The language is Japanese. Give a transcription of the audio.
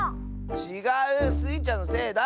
ちがう！スイちゃんのせいだ！